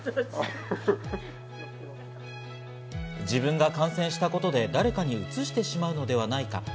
自分が感染したことで誰かにうつしてしまうのではないか。